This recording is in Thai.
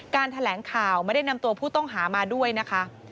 แถลงข่าวไม่ได้นำตัวผู้ต้องหามาด้วยนะคะ